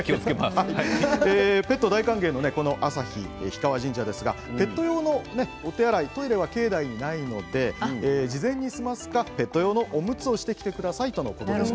ペット大歓迎の朝日氷川神社ですがペット用のトイレは境内にないので、事前に済ますかペット用のおむつをしてきてくださいということでした。